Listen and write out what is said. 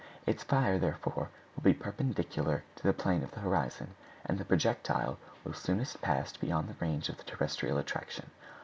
Its fire, therefore, will be perpendicular to the plane of the horizon; and the projectile will soonest pass beyond the range of the terrestrial attraction.